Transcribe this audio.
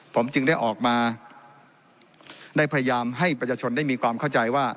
ผมจึงได้ออกมาได้พยายามให้ประชาชนได้มีความเข้าใจว่า